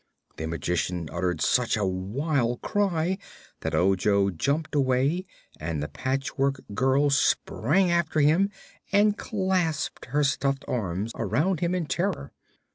The Magician uttered such a wild cry that Ojo jumped away and the Patchwork Girl sprang after him and clasped her stuffed arms around him in terror.